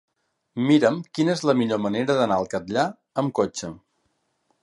Mira'm quina és la millor manera d'anar al Catllar amb cotxe.